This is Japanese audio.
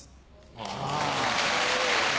あぁ。